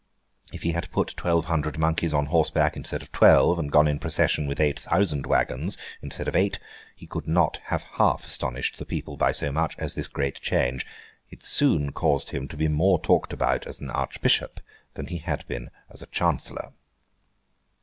If he had put twelve hundred monkeys on horseback instead of twelve, and had gone in procession with eight thousand waggons instead of eight, he could not have half astonished the people so much as by this great change. It soon caused him to be more talked about as an Archbishop than he had been as a Chancellor.